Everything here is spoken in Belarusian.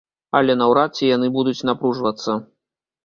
Але наўрад ці яны будуць напружвацца.